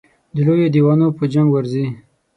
د لویو دېوانو په جنګ ورځي.